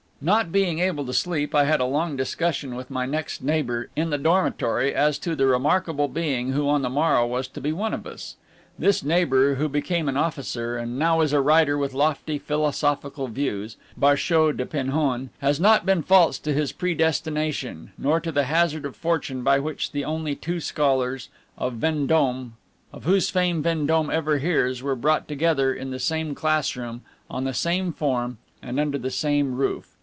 Not being able to sleep, I had a long discussion with my next neighbor in the dormitory as to the remarkable being who on the morrow was to be one of us. This neighbor, who became an officer, and is now a writer with lofty philosophical views, Barchou de Penhoen, has not been false to his pre destination, nor to the hazard of fortune by which the only two scholars of Vendome, of whose fame Vendome ever hears, were brought together in the same classroom, on the same form, and under the same roof.